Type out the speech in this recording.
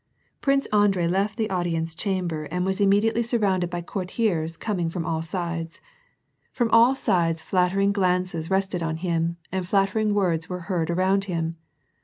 Prince Andrei left the audience chamber and was immediately IdO WAR AND PEACE. surroiinded by courtiers coining from all sides. From all sides flattering glances rested on him and flattering words were heard around him.